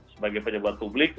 sebagai pejabat publik